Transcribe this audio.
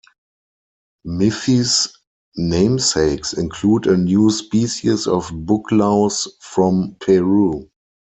Miffy's namesakes include a new species of booklouse from Peru.